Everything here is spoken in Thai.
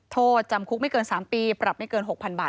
โทษจำคุกไม่เกิน๓ปีปรับไม่เกิน๖๐๐๐บาท